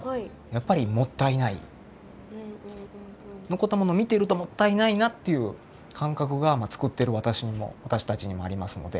残ったもの見てるともったいないなっていう感覚が作ってる私にも私たちにもありますので。